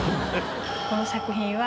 この作品は。